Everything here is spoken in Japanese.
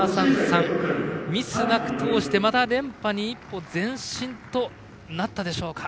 ミスなく通して、また連覇に一歩前進となったでしょうか。